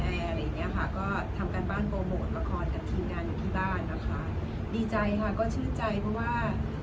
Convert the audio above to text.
อะไรอย่างเงี้ยค่ะก็ทำการบ้านโปรโมทละครกับทีมงานอยู่ที่บ้านนะคะดีใจค่ะก็ชื่นใจเพราะว่า